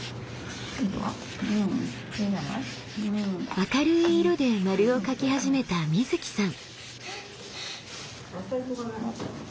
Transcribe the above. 明るい色で丸を描き始めたみずきさん。